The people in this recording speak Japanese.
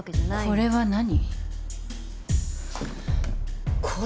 これは何！？